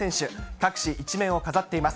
各紙１面を飾っています。